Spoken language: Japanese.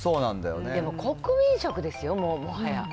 でも国民食ですよ、もう、もはや。